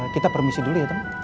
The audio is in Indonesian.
kita permisi dulu ya tem